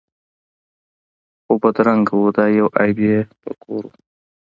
خو بدرنګه وو دا یو عیب یې په کور وو